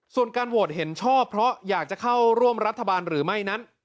ส่วนการโหวตเห็นชอบเพราะอยากจะเข้าร่วมรัฐบาลหรือไม่นั้น